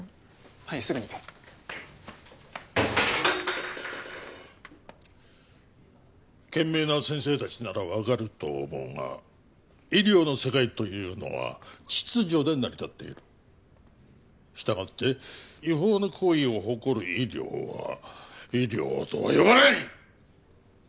はいすぐに賢明な先生達なら分かると思うが医療の世界というのは秩序で成り立っている従って違法な行為を誇る医療は医療とは呼ばない！